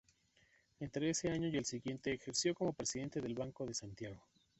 Entre ese año y el siguiente ejerció como presidente del Banco de Santiago.